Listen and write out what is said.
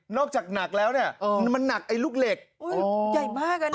จากหนักแล้วเนี่ยมันหนักไอ้ลูกเหล็กอุ้ยใหญ่มากอ่ะนะ